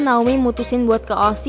nawi mutusin buat ke oc